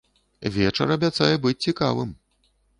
Вечар абяцае быць цікавым!